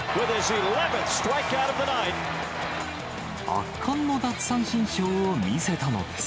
圧巻の奪三振ショーを見せたのです。